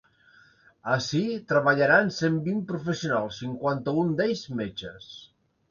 Ací treballaran cent vint professionals, cinquanta-un d’ells metges.